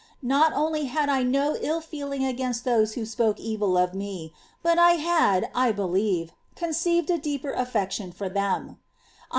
Not only had I no ill feeling against those who spoke evil of me, but I had, I believe, conceived a deeper affection for them.